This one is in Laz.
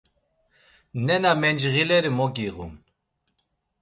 Nena mencğileri mo giğun?